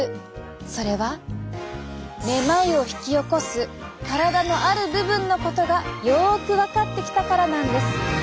それはめまいを引き起こす体のある部分のことがよく分かってきたからなんです。